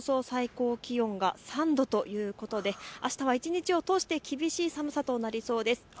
最高気温が３度ということで、あしたは一日を通して厳しい寒さとなりそうです。